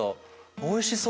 おいしそう。